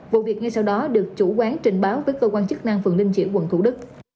vụ việc ngay sau đó được chủ quán trình báo với cơ quan chức năng phường linh chiểu quận thủ đức